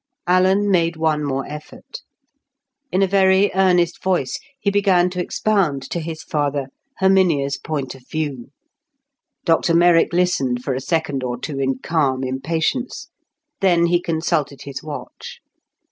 Alan made one more effort. In a very earnest voice, he began to expound to his father Herminia's point of view. Dr Merrick listened for a second or two in calm impatience. Then he consulted his watch.